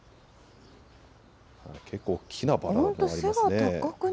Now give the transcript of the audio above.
結構、大きなバラもありますね。